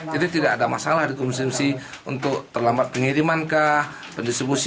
jadi tidak ada masalah di konsumsi untuk terlambat pengiriman ke pendistribusian